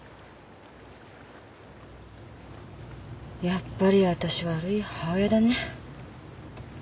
やっぱりわたし悪い母親だね。